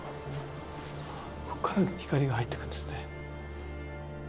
ここからでも光が入ってくるんですね。